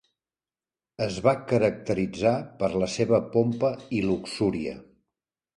Es va caracteritzar per la seva pompa i luxúria.